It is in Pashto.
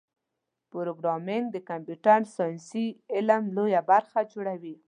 پروګرامېنګ د کمپیوټر ساینس علم لویه برخه جوړوي.